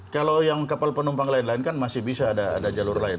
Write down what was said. kalau yang kapal penumpang lain lain kan masih bisa ada jalur lain